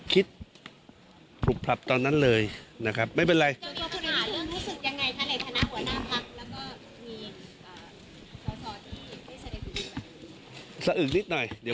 ผลุบผลับตอนนั้นเลยนะครับไม่เป็นไร